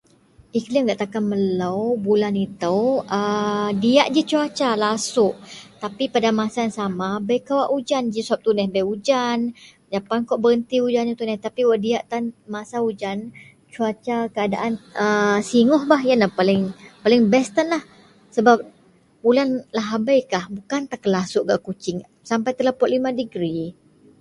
Iklim--gak takan melo gak bulan ito a diak g suasa lasuok, tapi pada masa yang sama bei kawak g ujan, suwab tuneh bei ujan, japanlah kawak bereti g ujan iyen tuneh, tapi wak diak masa ujan, suasa keaadaan singoh bah iyen paling best tanlah. Sebab hulan lahabei kan lasuok gak kuching sapai 35 digri.